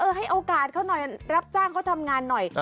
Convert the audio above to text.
ให้โอกาสเขาหน่อยรับจ้างเขาทำงานหน่อย